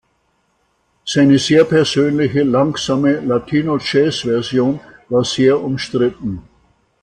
Seine sehr persönliche, langsame Latino-Jazz-Version war sehr umstritten.